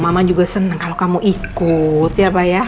mama juga senang kalau kamu ikut ya pak ya